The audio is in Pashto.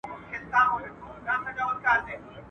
o د مرور برخه د کونه ور ده.